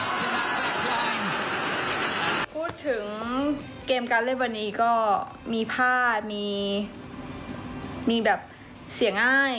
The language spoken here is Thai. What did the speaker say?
พูดถึงเกมการเล่นวันนี้ก็มีพลาดมีแบบเสียงง่าย